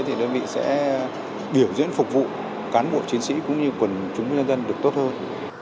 thì đơn vị sẽ biểu diễn phục vụ cán bộ chiến sĩ cũng như quần chúng nhân dân được tốt hơn